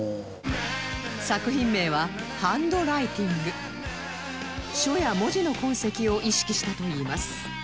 作品名は書や文字の痕跡を意識したといいます